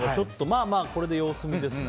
これで様子見ですね。